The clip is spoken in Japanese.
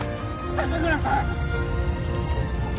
高倉さん！